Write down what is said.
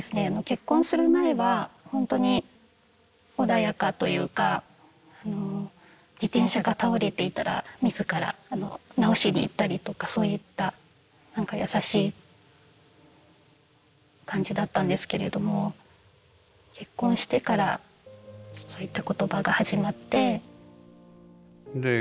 結婚する前はほんとに穏やかというかあの自転車が倒れていたら自ら直しに行ったりとかそういったなんか優しい感じだったんですけれども結婚してからそういった言葉が始まって。